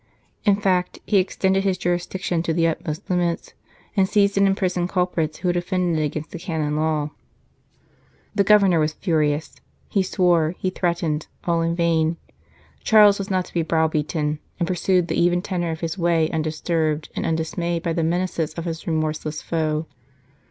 In fact, he extended his jurisdiction to the utmost limits, and seized and imprisoned culprits who had offended against the canon law. The Governor was furious ; he swore, he threatened, all in vain ; Charles was not to be St. Charles Borromeo browbeaten, and pursued the even tenor of his way, undisturbed and undismayed by the menaces of his remorseless foe.